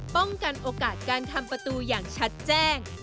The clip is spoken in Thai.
ป้องกันโอกาสการทำประตูอย่างชัดแจ้ง